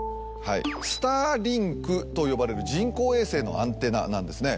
スターリンクと呼ばれる人工衛星のアンテナなんですね。